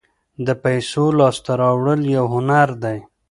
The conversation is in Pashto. د پیسو لاسته راوړل یو هنر دی.